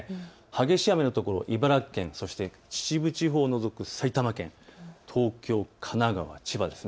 激しい雨のところ茨城県、そして秩父地方を除く埼玉県、東京、神奈川、千葉です。